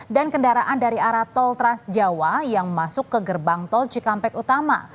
dan kendaraan dari arah tol trans jawa yang masuk ke gerbang tol cikampek utama